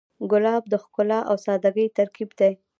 ګلاب د ښکلا او سادګۍ ترکیب دی.